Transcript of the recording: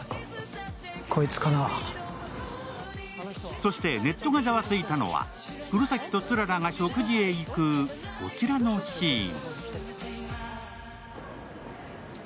そして、ネットがざわついたのは、黒崎と氷柱が食事へ行くこちらのシーン。